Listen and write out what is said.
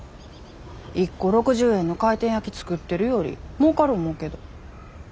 一個６０円の回転焼き作ってるよりもうかる思うけど。